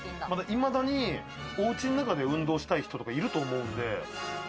いまだに、おうちで運動したい人とかいると思うんで。